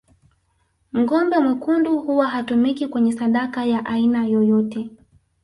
Ngombe mwekundu huwa hatumiki kwenye sadaka ya aina yoyote